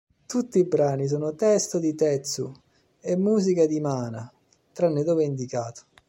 Tutti i brani sono testo di tetsu e musica di Mana, tranne dove indicato.